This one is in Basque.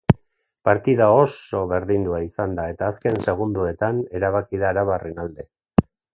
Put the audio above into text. Partida oso berdindua izan da eta azken seguindoetan erabaki da arabarren alde.